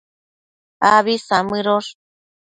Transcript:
Abi samëdosh